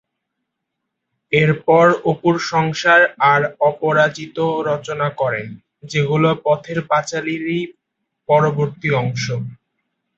এরপর "অপুর সংসার" আর "অপরাজিত" রচনা করেন, যেগুলো "পথের পাঁচালির"ই পরবর্তী অংশ।